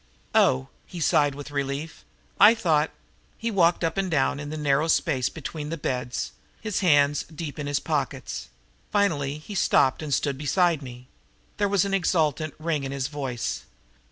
"Oh," he sighed with relief, "I thought " he walked up and down in the narrow space between the beds, his hands deep in his pockets. Finally he stopped and stood beside me. There was an exultant ring to his voice.